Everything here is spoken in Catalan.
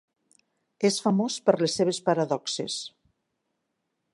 És famós per les seves paradoxes.